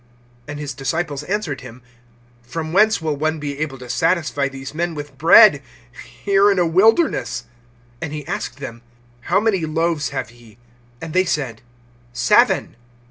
(4)And his disciples answered him: From whence will one be able to satisfy these men with bread, here in a wilderness? (5)And he asked them: How many loaves have ye? And they said: Seven.